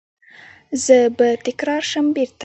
زه به تکرار شم بیرته